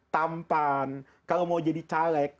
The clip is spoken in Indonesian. tampan kalau mau jadi caleg